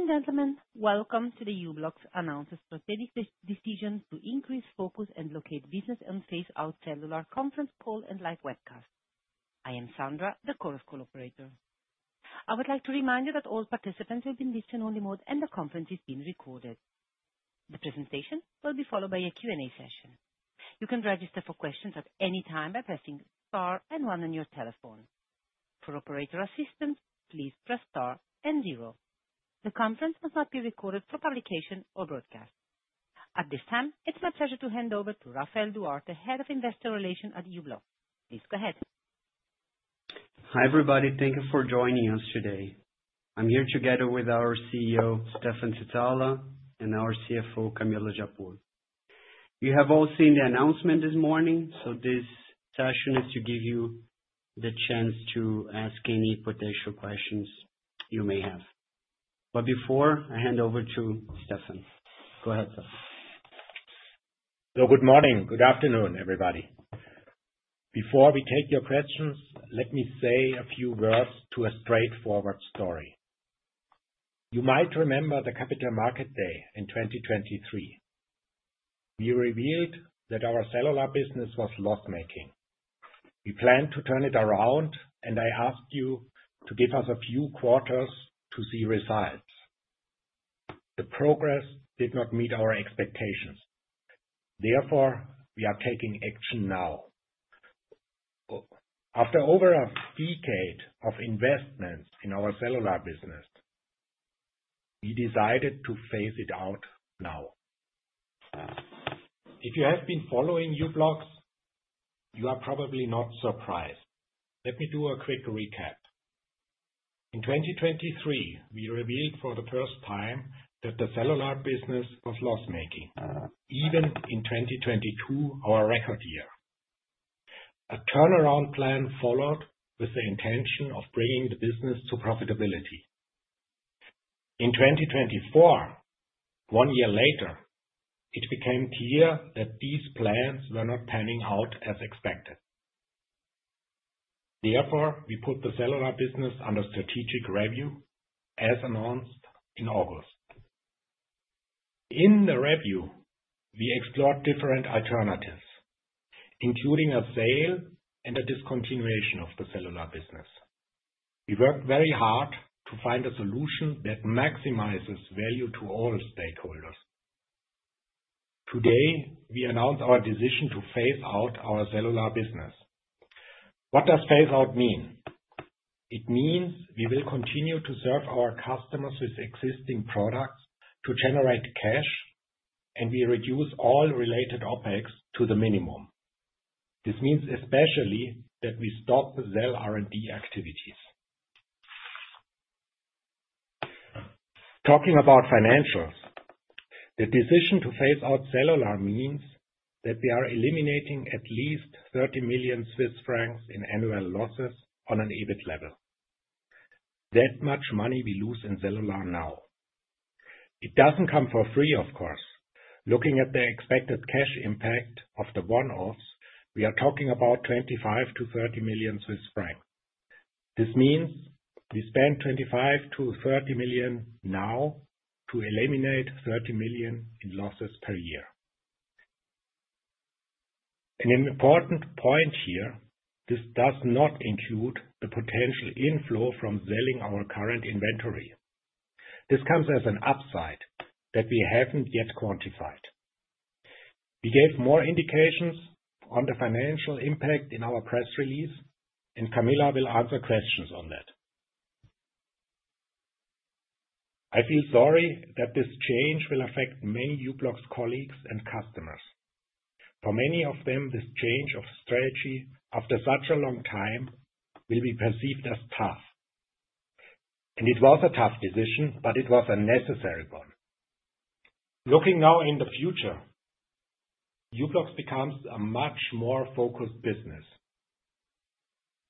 Ladies and gentlemen, welcome to the u-blox announces strategic decision to increase focus on Locate business and phase out Cellular conference call and live webcast. I am Sandra, the Chorus Call operator. I would like to remind you that all participants will be in listen-only mode, and the conference is being recorded. The presentation will be followed by a Q&A session. You can register for questions at any time by pressing star and one on your telephone. For operator assistance, please press star and zero. The conference will not be recorded for publication or broadcast. At this time, it's my pleasure to hand over to Rafael Duarte, head of investor relations at u-blox. Please go ahead. Hi everybody, thank you for joining us today. I'm here together with our CEO, Stephan Zizala, and our CFO, Camila Japur. You have all seen the announcement this morning, so this session is to give you the chance to ask any potential questions you may have. But before, I hand over to Stephan. Go ahead, Stephan. Good morning, good afternoon, everybody. Before we take your questions, let me say a few words to a straightforward story. You might remember the Capital Markets Day in 2023. We revealed that our cellular business was loss-making. We planned to turn it around, and I asked you to give us a few quarters to see results. The progress did not meet our expectations. Therefore, we are taking action now. After over a decade of investments in our cellular business, we decided to phase it out now. If you have been following u-blox, you are probably not surprised. Let me do a quick recap. In 2023, we revealed for the first time that the cellular business was loss-making, even in 2022, our record year. A turnaround plan followed with the intention of bringing the business to profitability. In 2024, one year later, it became clear that these plans were not panning out as expected. Therefore, we put the cellular business under strategic review as announced in August. In the review, we explored different alternatives, including a sale and a discontinuation of the cellular business. We worked very hard to find a solution that maximizes value to all stakeholders. Today, we announce our decision to phase out our cellular business. What does phase out mean? It means we will continue to serve our customers with existing products to generate cash, and we reduce all related OPEX to the minimum. This means especially that we stop the cell R&D activities. Talking about financials, the decision to phase out cellular means that we are eliminating at least 30 million Swiss francs in annual losses on an EBIT level. That much money we lose in cellular now. It doesn't come for free, of course. Looking at the expected cash impact of the one-offs, we are talking about 25-30 million Swiss francs. This means we spend 25-30 million now to eliminate 30 million in losses per year. An important point here, this does not include the potential inflow from selling our current inventory. This comes as an upside that we haven't yet quantified. We gave more indications on the financial impact in our press release, and Camila will answer questions on that. I feel sorry that this change will affect many u-blox colleagues and customers. For many of them, this change of strategy after such a long time will be perceived as tough. It was a tough decision, but it was a necessary one. Looking now in the future, u-blox becomes a much more focused business.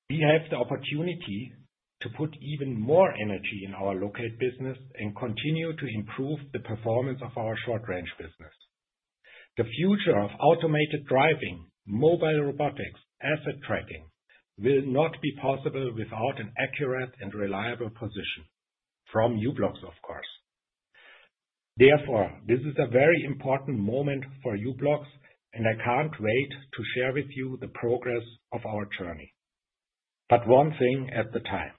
We have the opportunity to put even more energy in our Locate Business and continue to improve the performance of our short-range business. The future of automated driving, mobile robotics, asset tracking will not be possible without an accurate and reliable position from u-blox, of course. Therefore, this is a very important moment for u-blox, and I can't wait to share with you the progress of our journey. But one thing at a time.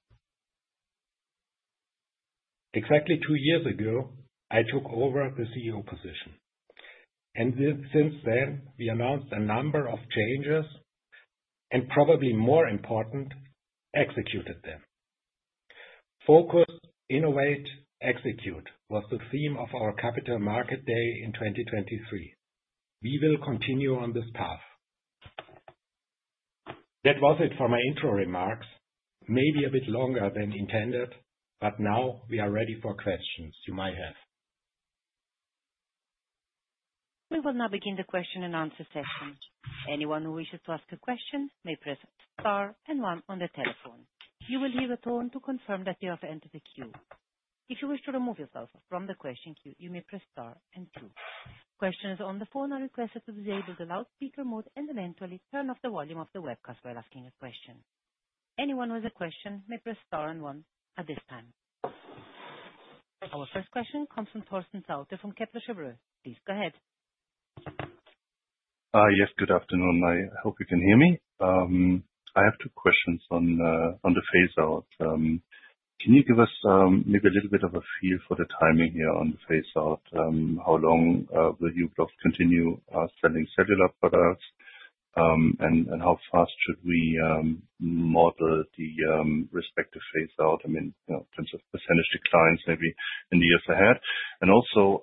Exactly two years ago, I took over the CEO position. And since then, we announced a number of changes and probably more important executed them. Focus, innovate, execute was the theme of our Capital Markets Day in 2023. We will continue on this path. That was it for my intro remarks. Maybe a bit longer than intended, but now we are ready for questions you might have. We will now begin the question and answer session. Anyone who wishes to ask a question may press star and one on the telephone. You will hear a tone to confirm that you have entered the queue. If you wish to remove yourself from the question queue, you may press star and two. Questioners on the phone are requested to disable the loudspeaker mode and eventually turn off the volume of the webcast while asking a question. Anyone with a question may press star and one at this time. Our first question comes from Torsten Sauter from Kepler Cheuvreux. Please go ahead. Yes, good afternoon. I hope you can hear me. I have two questions on the phase out. Can you give us maybe a little bit of a feel for the timing here on the phase out? How long will u-blox continue selling cellular products, and how fast should we model the respective phase out? I mean, in terms of percentage declines maybe in the years ahead. And also,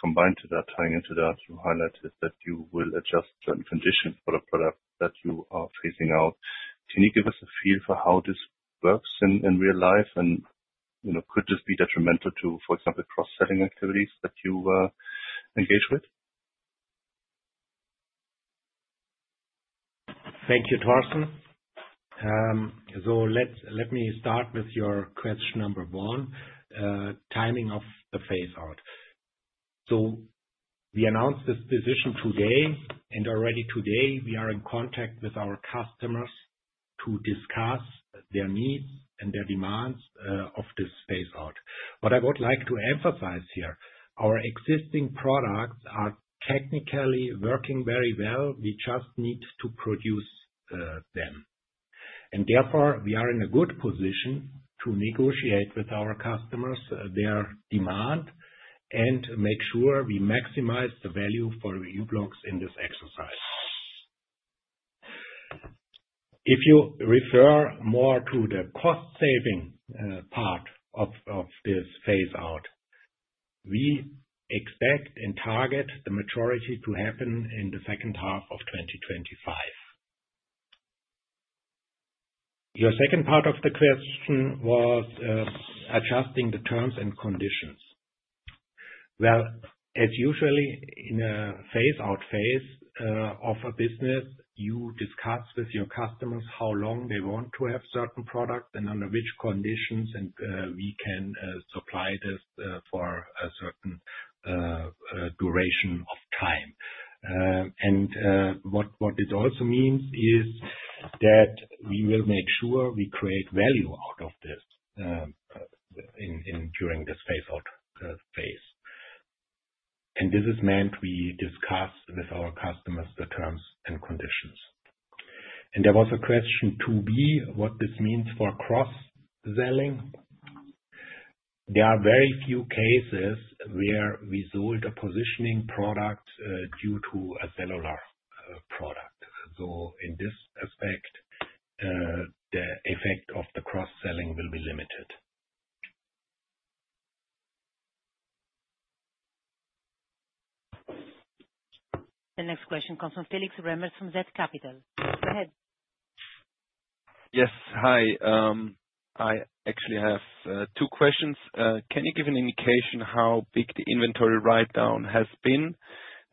combined to that, tying into that, you highlighted that you will adjust certain conditions for the product that you are phasing out. Can you give us a feel for how this works in real life and could this be detrimental to, for example, cross-selling activities that you engage with? Thank you, Torsten. So let me start with your question number one, timing of the phase out. So we announced this decision today, and already today, we are in contact with our customers to discuss their needs and their demands of this phase out. What I would like to emphasize here, our existing products are technically working very well. We just need to produce them. And therefore, we are in a good position to negotiate with our customers their demand and make sure we maximize the value for u-blox in this exercise. If you refer more to the cost-saving part of this phase out, we expect and target the maturity to happen in the second half of 2025. Your second part of the question was adjusting the terms and conditions. As usual, in a phase-out phase of a business, you discuss with your customers how long they want to have certain products and under which conditions, and we can supply this for a certain duration of time. And what it also means is that we will make sure we create value out of this during this phase-out phase. And this is meant we discuss with our customers the terms and conditions. And there was a question to me what this means for cross-selling. There are very few cases where we sold a positioning product due to a cellular product. So in this aspect, the effect of the cross-selling will be limited. The next question comes from Felix Remmers from zCapital. Go ahead. Yes, hi. I actually have two questions. Can you give an indication how big the inventory write-down has been?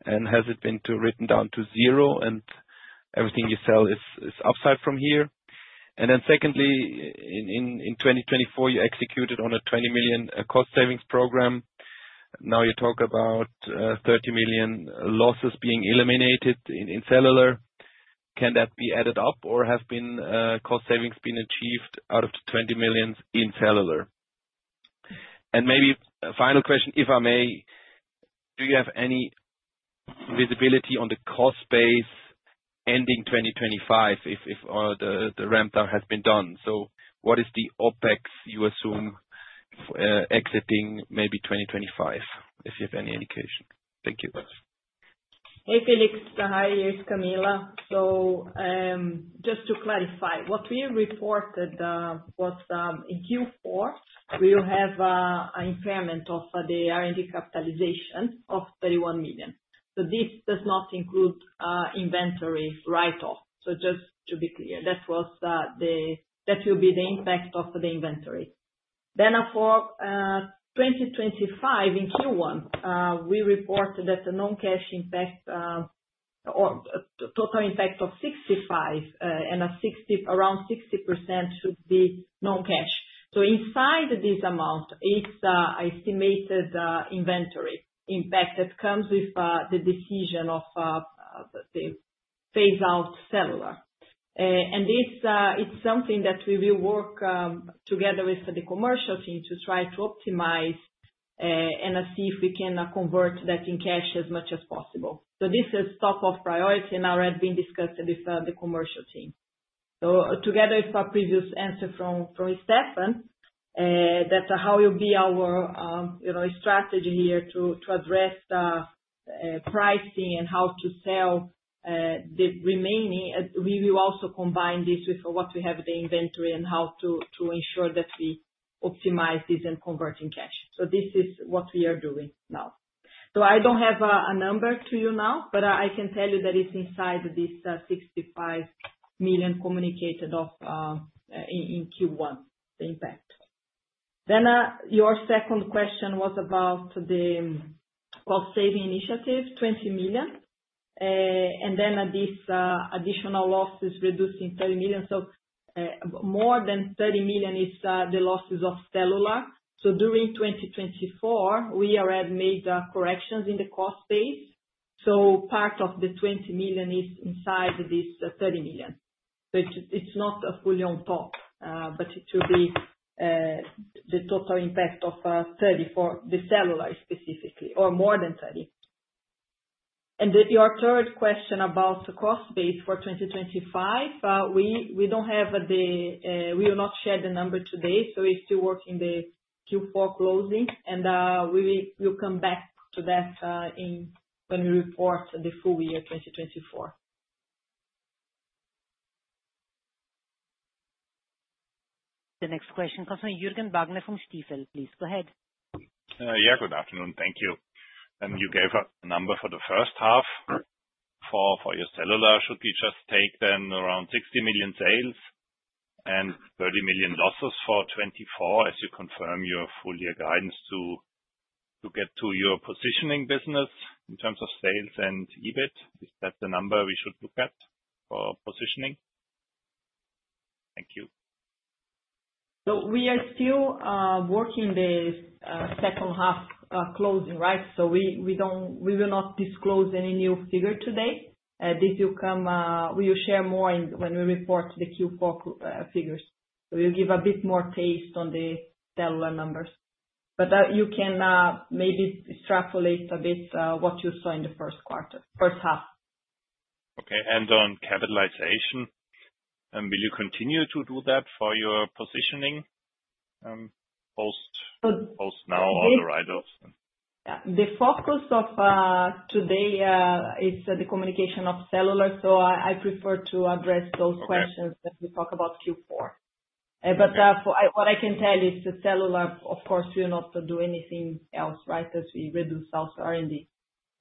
And has it been written down to zero and everything you sell is upside from here? And then secondly, in 2024, you executed on a 20 million cost-savings program. Now you talk about 30 million losses being eliminated in cellular. Can that be added up, or have cost savings been achieved out of the 20 million in cellular? And maybe final question, if I may, do you have any visibility on the cost base ending 2025 if the ramp-down has been done? So what is the OPEX you assume exiting maybe 2025? If you have any indication. Thank you. Hey, Felix. Hi, this is Camila. Just to clarify, what we reported was in Q4 we will have an impairment of the R&D capitalization of 31 million. This does not include inventory write-off. Just to be clear, that will be the impact of the inventory. For 2025, in Q1, we reported that the non-cash impact or total impact of 65 million and around 60% should be non-cash. Inside this amount, it's an estimated inventory impact that comes with the decision of the phase-out of Cellular. And it's something that we will work together with the commercial team to try to optimize and see if we can convert that into cash as much as possible. This is top priority and has already been discussed with the commercial team. So together with our previous answer from Stephan, that's how will be our strategy here to address pricing and how to sell the remaining. We will also combine this with what we have in the inventory and how to ensure that we optimize this and convert in cash. So this is what we are doing now. So I don't have a number to you now, but I can tell you that it's inside this 65 million communicated in Q1, the impact. Then your second question was about the cost-saving initiative, 20 million. And then this additional loss is reducing 30 million. So more than 30 million is the losses of Cellular. So during 2024, we already made corrections in the cost base. So part of the 20 million is inside this 30 million. It's not fully on top, but it will be the total impact of 30 for the cellular specifically, or more than 30. Your third question about the cost base for 2025, we will not share the number today, so we're still working the Q4 closing, and we will come back to that when we report the full year 2024. The next question comes from Jürgen Wagner from Stifel, please. Go ahead. Yeah, good afternoon. Thank you. And you gave us the number for the first half for your cellular. Should we just take then around 60 million sales and 30 million losses for 2024 as you confirm your full year guidance to get to your positioning business in terms of sales and EBIT? Is that the number we should look at for positioning? Thank you. So we are still working the second half closing, right? So we will not disclose any new figure today. This will come. We will share more when we report the Q4 figures. So we'll give a bit more taste on the cellular numbers. But you can maybe extrapolate a bit what you saw in the first quarter, first half. Okay, and on capitalization, will you continue to do that for your positioning products now on the write-off? Yeah. The focus of today is the communication of Cellular, so I prefer to address those questions when we talk about Q4. But what I can tell is the Cellular, of course, we'll not do anything else, right, as we reduce our R&D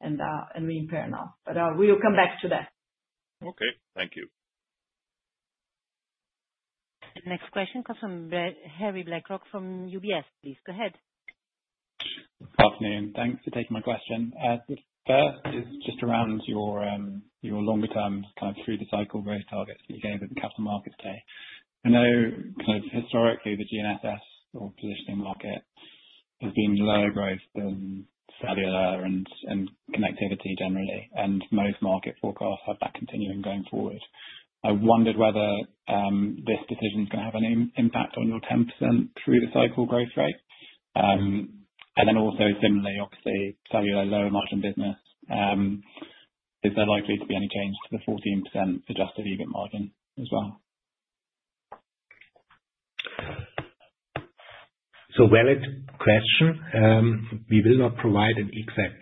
and we impair now. But we will come back to that. Okay. Thank you. The next question comes from Harry Blaiklock from UBS, please. Go ahead. Good afternoon. Thanks for taking my question. The first is just around your longer-term kind of through-the-cycle growth targets that you gave at the Capital Markets Day. I know kind of historically the GNSS or positioning market has been lower growth than cellular and connectivity generally, and most market forecasts have that continuing going forward. I wondered whether this decision is going to have any impact on your 10% through-the-cycle growth rate. And then also similarly, obviously, cellular lower margin business, is there likely to be any change to the 14% adjusted EBIT margin as well? It's a valid question. We will not provide an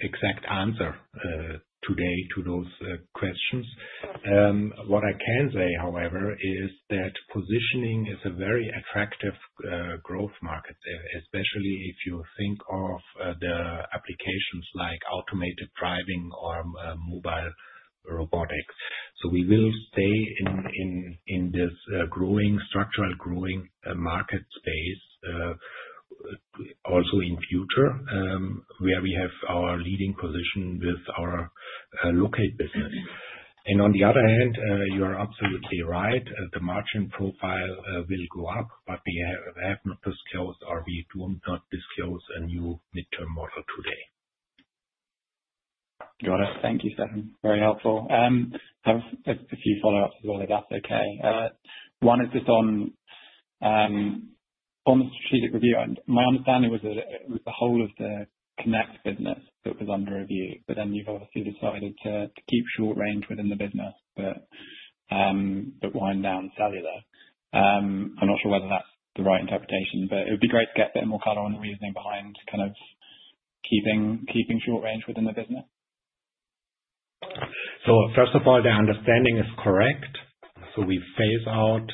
exact answer today to those questions. What I can say, however, is that positioning is a very attractive growth market, especially if you think of the applications like automated driving or mobile robotics, so we will stay in this growing, structurally growing market space also in future where we have our leading position with our Locate Business, and on the other hand, you are absolutely right. The margin profile will go up, but we have not disclosed or we do not disclose a new midterm model today. Got it. Thank you, Stephan. Very helpful. I have a few follow-ups as well, if that's okay. One is just on strategic review. My understanding was the whole of the Connect business that was under review, but then you've obviously decided to keep short range within the business but wind down cellular. I'm not sure whether that's the right interpretation, but it would be great to get a bit more color on the reasoning behind kind of keeping short range within the business. So first of all, the understanding is correct. So we phase out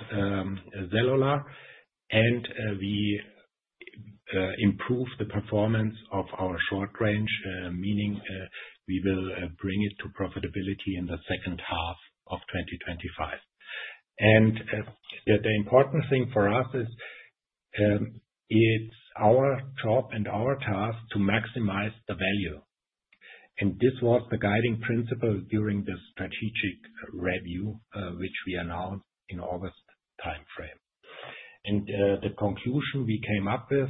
cellular, and we improve the performance of our short range, meaning we will bring it to profitability in the second half of 2025. And the important thing for us is it's our job and our task to maximize the value. And this was the guiding principle during the strategic review, which we announced in August timeframe. And the conclusion we came up with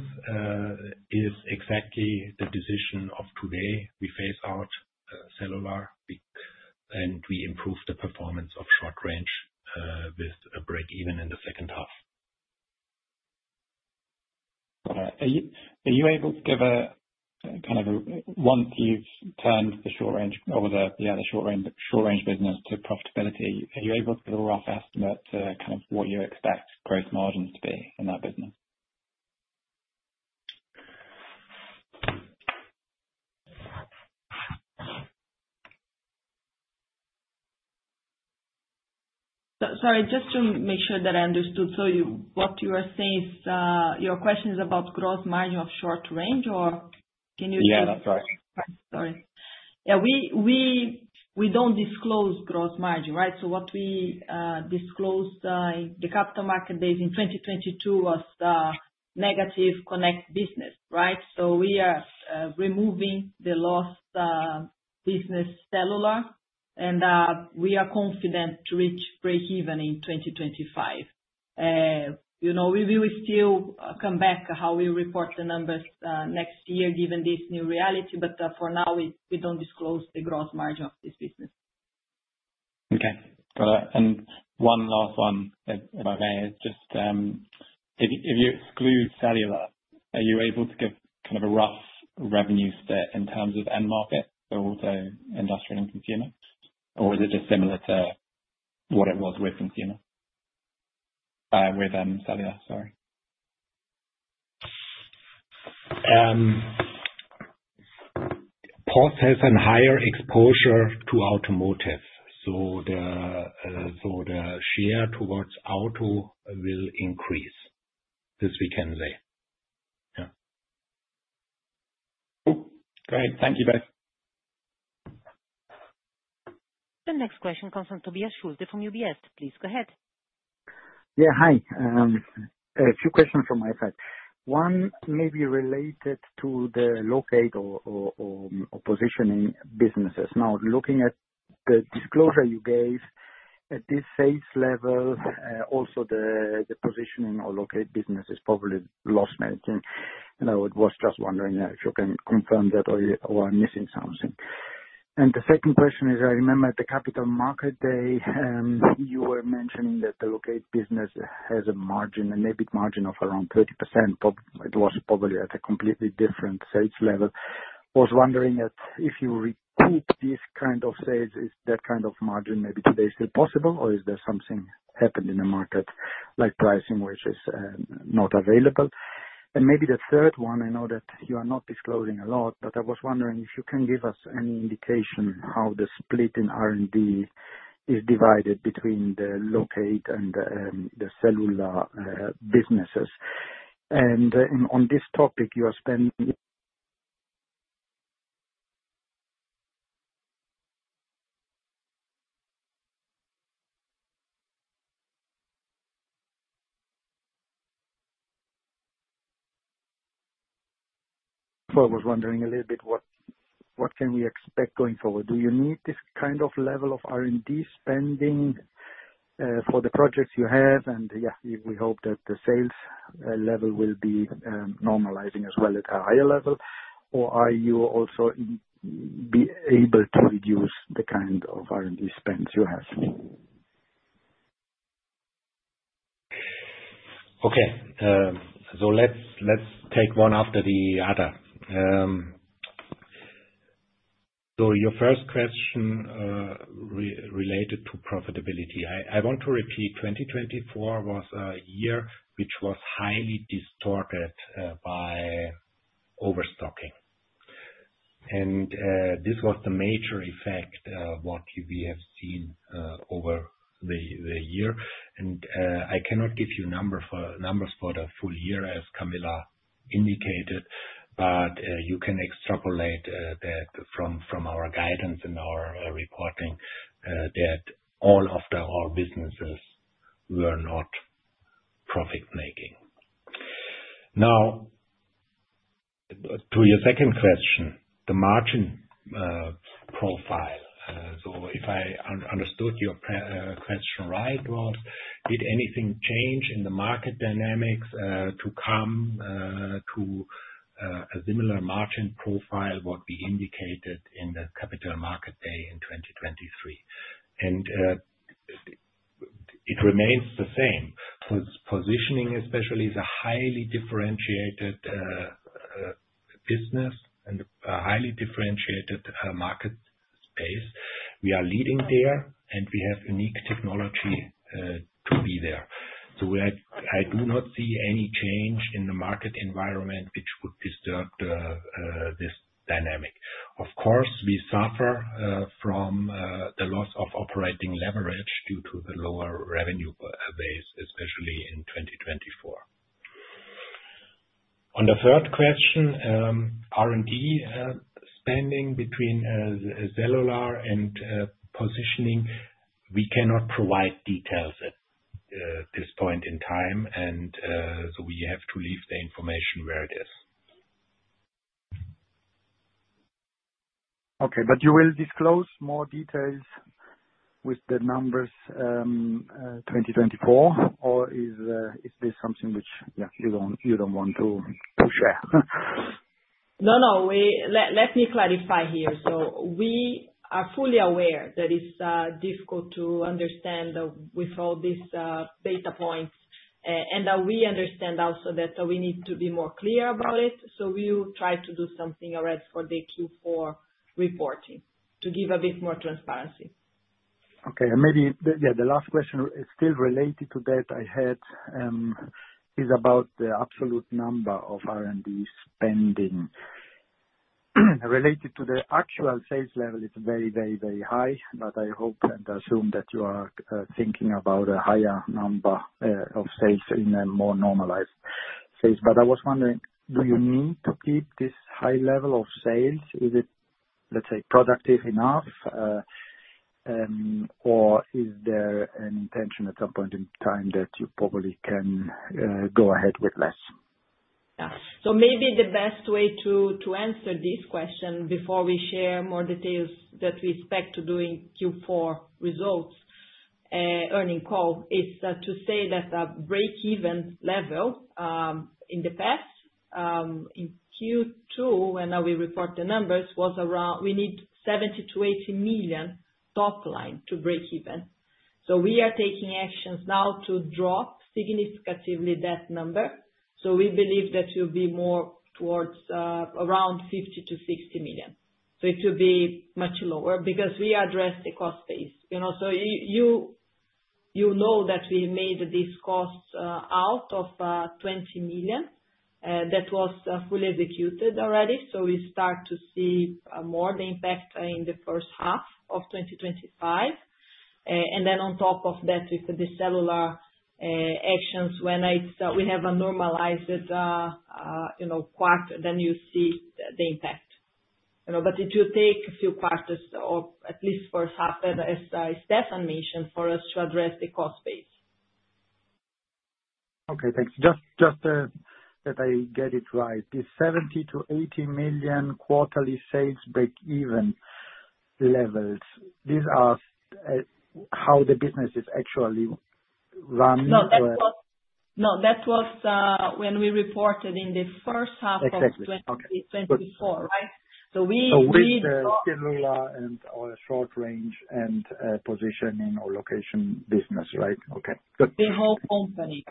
is exactly the decision of today. We phase out cellular, and we improve the performance of short range with a break even in the second half. Got it. Are you able to give a kind of once you've turned the short range or the short range business to profitability, are you able to give a rough estimate to kind of what you expect gross margins to be in that business? Sorry, just to make sure that I understood. So what you are saying is your question is about gross margin of Short Range, or can you? Yeah, that's right. Sorry. Yeah, we don't disclose gross margin, right? So what we disclosed in the Capital Markets Day in 2022 was negative connect business, right? So we are removing the lost business cellular, and we are confident to reach break even in 2025. We will still come back how we report the numbers next year given this new reality, but for now, we don't disclose the gross margin of this business. Okay. Got it, and one last one if I may is just if you exclude cellular, are you able to give kind of a rough revenue split in terms of end market, so also industrial and consumer? Or is it just similar to what it was with consumer with cellular? Sorry. POS has a higher exposure to automotive, so the share toward auto will increase, this weekend, yeah. Great. Thank you both. The next question comes from Tobias Schulte from UBS. Please go ahead. Yeah, hi. A few questions from my side. One may be related to the locate or positioning businesses. Now, looking at the disclosure you gave at this sales level, also the positioning or Locate Business is probably loss-making. And I was just wondering if you can confirm that or I'm missing something. And the second question is, I remember at the Capital Markets Day, you were mentioning that the Locate Business has a margin, an EBIT margin of around 30%. It was probably at a completely different sales level. I was wondering if you recoup this kind of sales, is that kind of margin maybe today still possible, or is there something happened in the market like pricing, which is not available? Maybe the third one, I know that you are not disclosing a lot, but I was wondering if you can give us any indication how the split in R&D is divided between the Locate and the Cellular businesses? On this topic, you are spending. I was wondering a little bit what can we expect going forward? Do you need this kind of level of R&D spending for the projects you have? Yeah, we hope that the sales level will be normalizing as well at a higher level, or are you also able to reduce the kind of R&D spend you have? Okay. So let's take one after the other. So your first question related to profitability. I want to repeat, 2024 was a year which was highly distorted by overstocking. And this was the major effect of what we have seen over the year. And I cannot give you numbers for the full year as Camila indicated, but you can extrapolate that from our guidance and our reporting that all of our businesses were not profit-making. Now, to your second question, the margin profile, so if I understood your question right, did anything change in the market dynamics to come to a similar margin profile what we indicated in the Capital Markets Day in 2023? And it remains the same. Positioning, especially, is a highly differentiated business and a highly differentiated market space. We are leading there, and we have unique technology to be there. So I do not see any change in the market environment which would disturb this dynamic. Of course, we suffer from the loss of operating leverage due to the lower revenue base, especially in 2024. On the third question, R&D spending between cellular and positioning, we cannot provide details at this point in time, and so we have to leave the information where it is. Okay. But you will disclose more details with the numbers 2024, or is this something which, yeah, you don't want to share? No, no. Let me clarify here. So we are fully aware that it's difficult to understand with all these data points, and we understand also that we need to be more clear about it. So we will try to do something already for the Q4 reporting to give a bit more transparency. Okay. And maybe, yeah, the last question is still related to that I had is about the absolute number of R&D spending. Related to the actual sales level, it's very, very, very high, but I hope and assume that you are thinking about a higher number of sales in a more normalized space. But I was wondering, do you need to keep this high level of sales? Is it, let's say, productive enough, or is there an intention at some point in time that you probably can go ahead with less? Yeah. So maybe the best way to answer this question before we share more details that we expect to do in Q4 results earnings call is to say that the break-even level in the past in Q2, when we report the numbers, was around. We need 70-80 million top line to break even. So we are taking actions now to drop significantly that number. So we believe that we'll be more towards around 50-60 million. So it will be much lower because we address the cost base. So you know that we made these cost cuts of 20 million. That was fully executed already. So we start to see more of the impact in the first half of 2025. And then on top of that, with the cellular actions, when we have a normalized quarter, then you see the impact. But it will take a few quarters, or at least for half, as Stephan mentioned, for us to address the cost base. Okay. Thanks. Just that I get it right, the 70 million-80 million quarterly sales break-even levels, these are how the business is actually running? No, that was when we reported in the first half of 2024, right? So we. So with the cellular and/or short range and positioning or location business, right? Okay. Good. The whole company.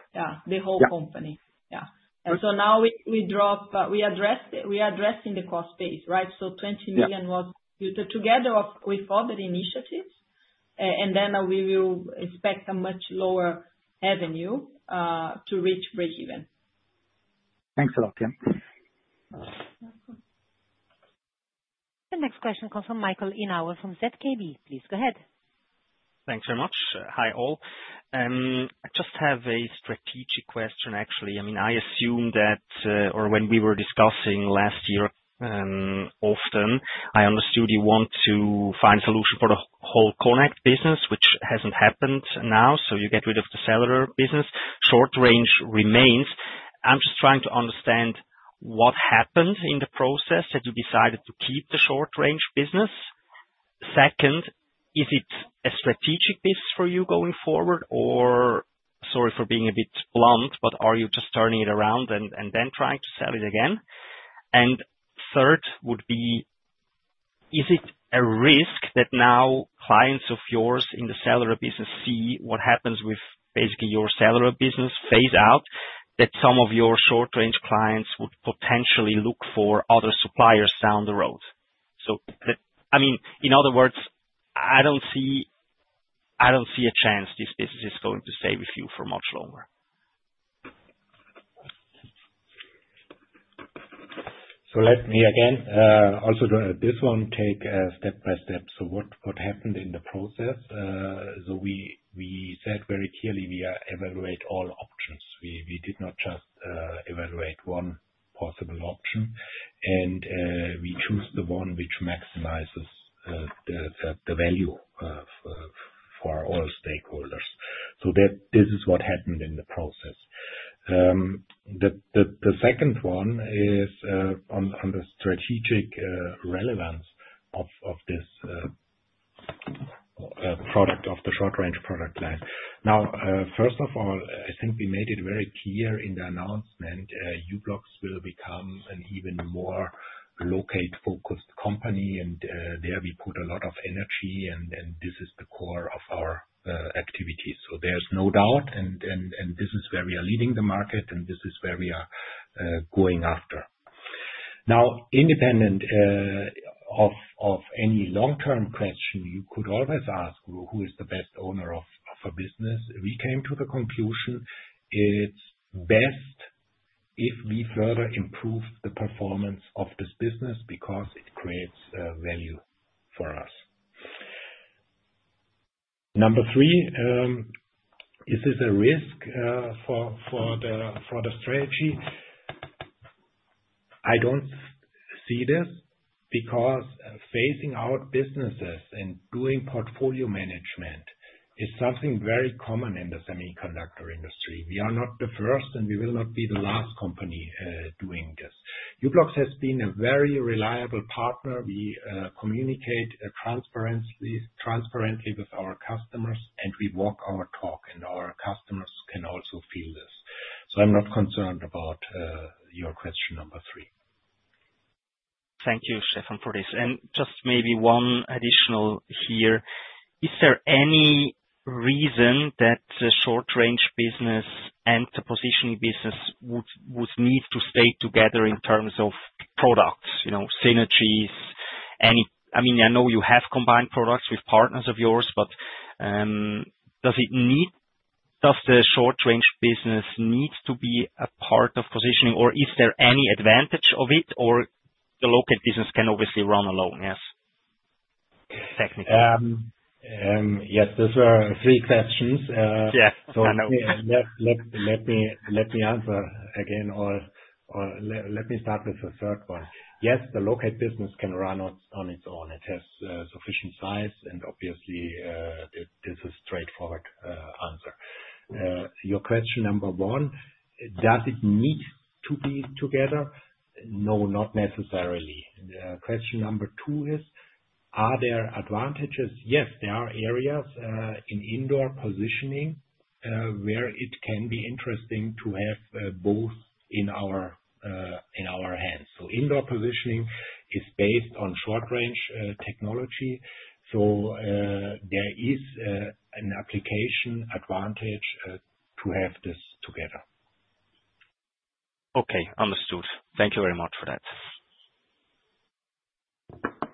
Yeah. And so now we addressing the cost base, right? So 20 million was together with all the initiatives, and then we will expect a much lower revenue to reach break-even. Thanks a lot, yeah. The next question comes from Michael Inauen from ZKB. Please go ahead. Thanks very much. Hi all. I just have a strategic question, actually. I mean, I assume that, or when we were discussing last year often, I understood you want to find a solution for the whole Connect business, which hasn't happened now. So you get rid of the Cellular business. Short Range remains. I'm just trying to understand what happened in the process that you decided to keep the Short Range business. Second, is it a strategic business for you going forward, or sorry for being a bit blunt, but are you just turning it around and then trying to sell it again? And third would be, is it a risk that now clients of yours in the Cellular business see what happens with basically your Cellular business phase out, that some of your Short Range clients would potentially look for other suppliers down the road? I mean, in other words, I don't see a chance this business is going to stay with you for much longer. So let me again, also this one, take a step by step. So what happened in the process? So we said very clearly, we evaluate all options. We did not just evaluate one possible option, and we choose the one which maximizes the value for all stakeholders. So this is what happened in the process. The second one is on the strategic relevance of this product of the Short Range product line. Now, first of all, I think we made it very clear in the announcement, u-blox will become an even more Locate-focused company, and there we put a lot of energy, and this is the core of our activities. So there's no doubt, and this is where we are leading the market, and this is where we are going after. Now, independent of any long-term question, you could always ask, who is the best owner of a business? We came to the conclusion it's best if we further improve the performance of this business because it creates value for us. Number three, is this a risk for the strategy? I don't see this because phasing out businesses and doing portfolio management is something very common in the semiconductor industry. We are not the first, and we will not be the last company doing this. u-blox has been a very reliable partner. We communicate transparently with our customers, and we walk our talk, and our customers can also feel this. So I'm not concerned about your question number three. Thank you, Stephan, for this. And just maybe one additional here. Is there any reason that the short range business and the positioning business would need to stay together in terms of products, synergies? I mean, I know you have combined products with partners of yours, but does the short range business need to be a part of positioning, or is there any advantage of it, or the Locate Business can obviously run alone, yes, technically? Yes, those were three questions. So let me answer again, or let me start with the third one. Yes, the Locate Business can run on its own. It has sufficient size, and obviously, this is a straightforward answer. Your question number one, does it need to be together? No, not necessarily. Question number two is, are there advantages? Yes, there are areas in indoor positioning where it can be interesting to have both in our hands. So indoor positioning is based on short range technology. So there is an application advantage to have this together. Okay. Understood. Thank you very much for that.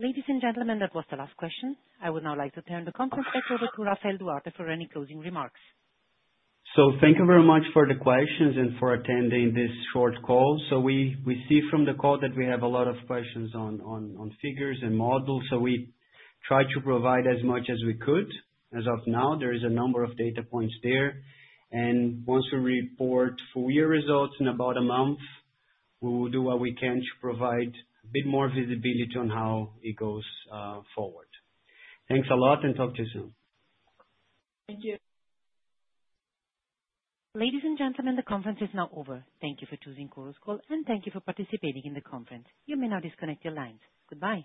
Ladies and gentlemen, that was the last question. I would now like to turn the conference back over to Rafael Duarte for any closing remarks. Thank you very much for the questions and for attending this short call. We see from the call that we have a lot of questions on figures and models. We tried to provide as much as we could. As of now, there is a number of data points there. Once we report full year results in about a month, we will do what we can to provide a bit more visibility on how it goes forward. Thanks a lot, and talk to you soon. Thank you. Ladies and gentlemen, the conference is now over. Thank you for choosing Chorus Call, and thank you for participating in the conference. You may now disconnect your lines. Goodbye.